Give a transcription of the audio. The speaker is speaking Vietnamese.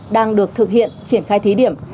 đang được thực hiện triển khai thí điểm